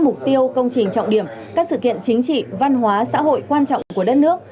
mục tiêu công trình trọng điểm các sự kiện chính trị văn hóa xã hội quan trọng của đất nước